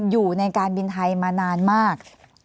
อยู่ในการบินไทยมานานมาก